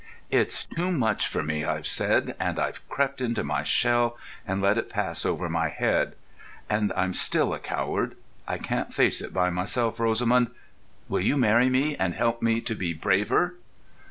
It's too much for me, I've said, and I've crept into my shell and let it pass over my head.... And I'm still a coward. I can't face it by myself. Rosamund, will you marry me and help me to be braver?"